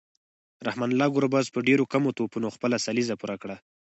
رحمان الله ګربز په ډیرو کمو توپونو خپله سلیزه پوره کړه